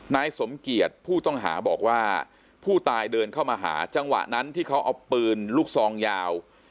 นายสมเกียจผู้ต้องหาบอกว่าผู้ตายเดินเข้ามาหาจังหวะนั้นที่เขาเอาปืนลูกซองยาว